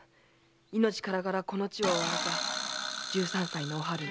命からがらこの地を追われた十三歳のおはるの。